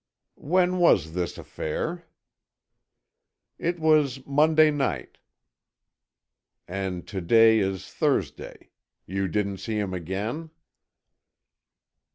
"When was this affair?" "It was Monday night." "And to day is Thursday. You didn't see him again?"